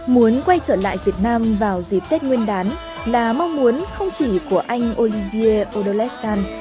muốn quay trở lại việt nam vào dịp tết nguyên đán là mong muốn không chỉ của anh olivier odem